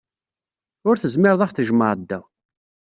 Ur tezmireḍ ad aɣ-tjemɛeḍ da.